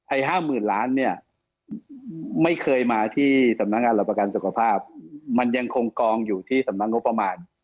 ๕๐๐๐ล้านเนี่ยไม่เคยมาที่สำนักงานหลักประกันสุขภาพมันยังคงกองอยู่ที่สำนักงบประมาณ